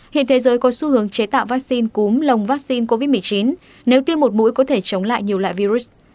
hiện thế giới có xu hướng chế tạo vaccine cúm lồng vaccine covid một mươi chín nếu tiêm một mũi có thể chống lại nhiều loại virus